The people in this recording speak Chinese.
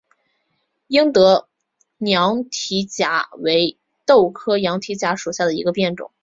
英德羊蹄甲为豆科羊蹄甲属下的一个变种。